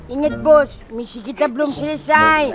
ingat bos misi kita belum selesai